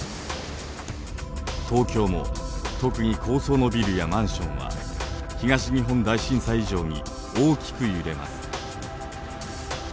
東京も特に高層のビルやマンションは東日本大震災以上に大きく揺れます。